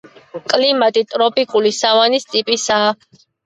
კლიმატი ტროპიკული სავანის ტიპისაა.